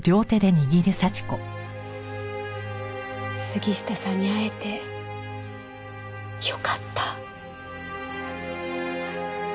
杉下さんに会えてよかった。